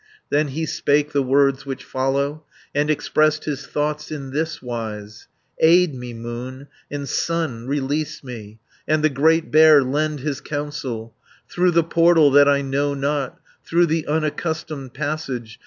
300 Then he spake the words which follow, And expressed his thoughts in this wise: "Aid me Moon, and Sun release me, And the Great Bear lend his counsel, Through the portal that I know not, Through the unaccustomed passage.